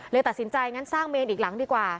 เลยตัดสินใจงั้นสร้างเมนอีกหลังดีกว่า